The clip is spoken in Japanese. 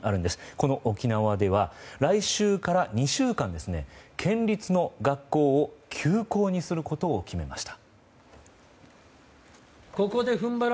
この沖縄では来週から２週間県立の学校を休校にすることを決めました。